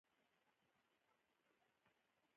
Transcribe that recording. افغانستان د جواهرات له امله شهرت لري.